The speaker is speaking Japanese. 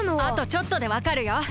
あとちょっとでわかるよ。